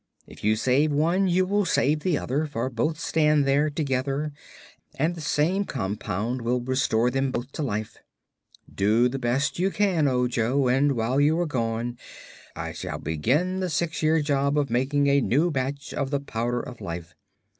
If you save one you will save the other, for both stand there together and the same compound will restore them both to life. Do the best you can, Ojo, and while you are gone I shall begin the six years job of making a new batch of the Powder of Life.